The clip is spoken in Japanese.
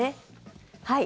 はい。